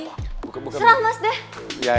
serah mas deh